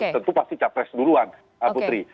tentu pasti capres duluan putri